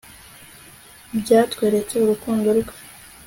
b yatweretse urukundo rwe